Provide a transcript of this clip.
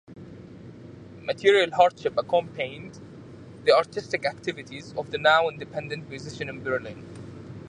Material hardship accompanied the artistic activities of the now independent musician in Berlin.